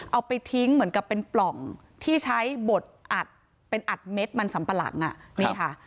เอาไปทิ้งเหมือนกับเป็นปล่องที่ใช้บดอัดเป็นอัดเม็ดมันสัมปะหลังอ่ะนี่ค่ะ